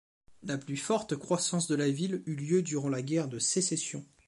La plus forte croissance de la ville eut lieu durant la guerre de Sécession.